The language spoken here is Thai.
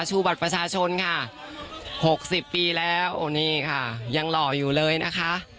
ชูบัตรประชาชนค่ะ๖๐ปีแล้วโอ้นี่ค่ะยังหล่ออยู่เลยนะคะ